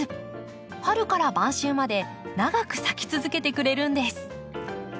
春から晩秋まで長く咲き続けてくれるんです。